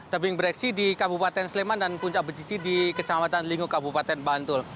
tebing breksi di kabupaten sleman dan puncak becici di kecamatan lingu kabupaten bantul